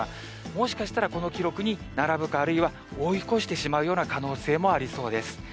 もしかしたらこの記録に並ぶか、あるいは追い越してしまうような可能性もありそうです。